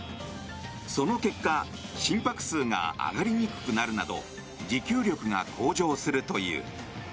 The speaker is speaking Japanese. その結果心拍数が上がりにくくなるなど持久力が向上するという。